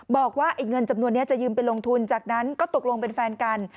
บอกว่าไอ้เงินจำนวนนี้จะยืมไปลงทุนจากนั้นก็ตกลงเป็นแฟนกัน